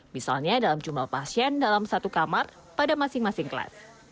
misalnya dalam jumlah pasien dalam satu kamar pada masing masing kelas